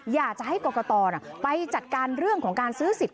อยากจะให้กรกตไปจัดการเรื่องของการซื้อสิทธิ